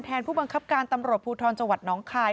ผู้บังคับการตำรวจภูทรจังหวัดน้องคาย